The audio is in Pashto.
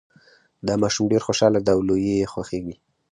دا ماشوم ډېر خوشحاله ده او لوبې یې خوښیږي